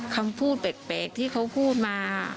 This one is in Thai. คำพูดแปลกที่เขาพูดมา